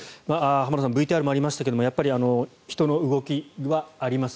浜田さんＶＴＲにもありましたが人の動きはあります。